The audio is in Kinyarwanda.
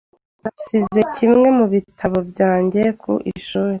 Nasize kimwe mu bitabo byanjye ku ishuri .